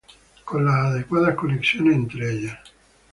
Con las adecuadas conexiones entre ellas.